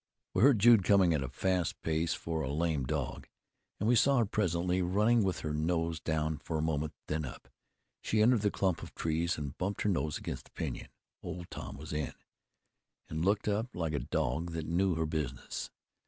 We heard Jude coming at a fast pace for a lame dog, and we saw her presently, running with her nose down for a moment, then up. She entered the clump of trees, and bumped her nose against the pinyon Old Tom was in, and looked up like a dog that knew her business.